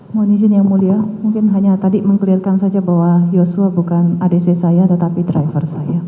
mohon izin yang mulia mungkin hanya tadi meng clearkan saja bahwa yosua bukan adc saya tetapi driver saya